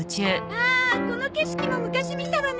ああこの景色も昔見たわね。